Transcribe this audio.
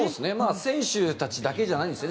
選手たちだけじゃないんですよね